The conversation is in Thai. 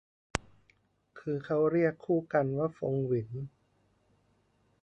คือเค้าเรียกคู่กันว่าฟงหวิน